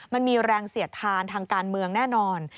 มันมีแรงเสียดทานทางการเมืองแน่นอน